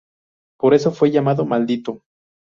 Por eso fue llamado Maldito.